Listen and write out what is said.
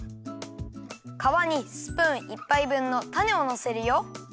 かわにスプーンいっぱいぶんのタネをのせるよ。